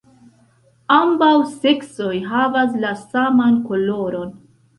Ambaŭ seksoj havas la saman koloron.